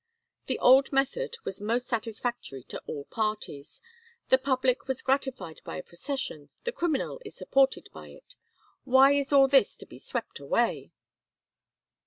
The old method was most satisfactory to all parties: the public was gratified by a procession, the criminal is supported by it. Why is all this to be swept away?"